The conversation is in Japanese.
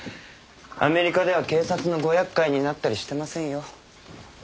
アメリカでは警察のご厄介になったりしてませんよ。